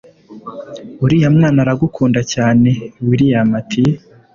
uriya mwana aragukunda cyane william ati